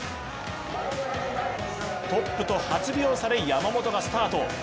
トップと８秒差で山本がスタート。